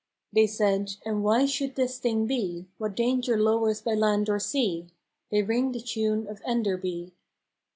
They sayde, " And why should this thing be What danger lowers by land or sea ? They ring the tune of Enderby!